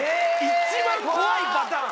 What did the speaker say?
一番怖いパターン！